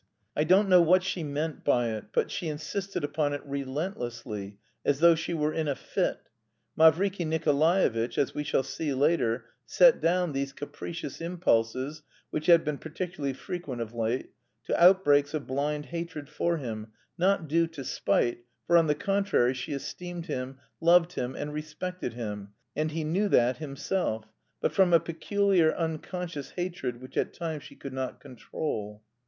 I don't know what she meant by it; but she insisted upon it relentlessly, as though she were in a fit. Mavriky Nikolaevitch, as we shall see later, set down these capricious impulses, which had been particularly frequent of late, to outbreaks of blind hatred for him, not due to spite, for, on the contrary, she esteemed him, loved him, and respected him, and he knew that himself but from a peculiar unconscious hatred which at times she could not control.